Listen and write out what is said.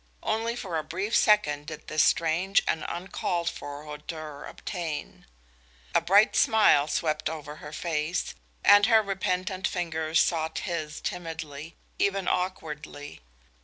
Only for a brief second did this strange and uncalled for hauteur obtain. A bright smile swept over her face, and her repentant fingers sought his timidly, even awkwardly.